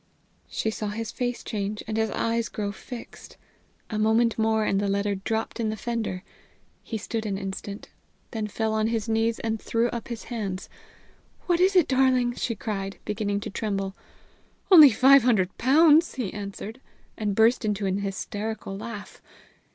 She saw his face change, and his eyes grow fixed. A moment more and the letter dropped in the fender. He stood an instant, then fell on his knees, and threw up his hands. "What is it, darling?" she cried, beginning to tremble. "Only five hundred pounds!" he answered, and burst into an hysterical laugh.